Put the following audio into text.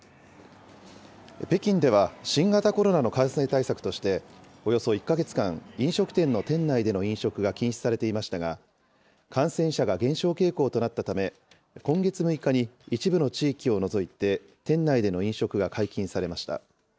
北京では新型コロナの感染対策として、およそ１か月間、飲食店の店内での飲食が禁止されていましたが、感染者が減少傾向となったため、今月６日に、一部の地域を除いて店内での飲食が解禁されました。